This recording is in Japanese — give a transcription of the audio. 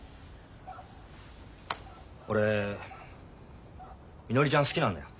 俺みのりちゃん好きなんだよ。